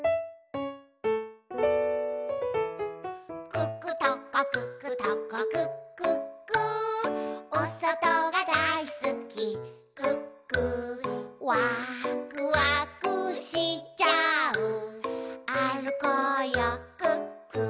「クックトコクックトコクックックー」「おそとがだいすきクックー」「わくわくしちゃうあるこうよクックー」